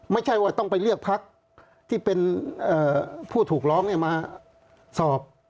ไม่ใช่ว่าต้องไปเลือกพักที่เป็นผู้ถูกร้องมาสอบ